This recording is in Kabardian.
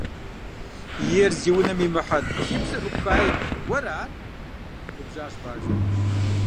– Ер зи унэм имыхьэн, си псэр Ӏупхаи, уэра ар? – губжьащ Бажэр.